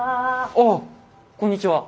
ああこんにちは。